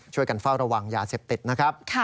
ช่วยกันเฝ้าระวังยาเสพติดนะครับ